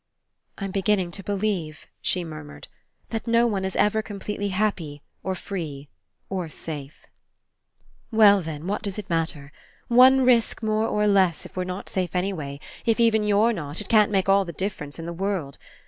I'^Tm beginning to believe," she mur mured, "that no one is ever completely happy, or free, or safe." ) "Well, tfien, what does it matter? One risk more or less, if we're not safe anyway, if even you're not, it can't make all the difference in the world.